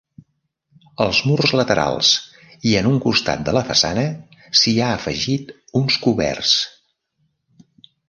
Als murs laterals i en un costat de la façana s'hi ha afegit uns coberts.